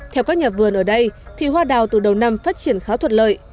theo các nhà vườn ở đây thì hoa đào từ đầu năm phát triển khá thuật lợi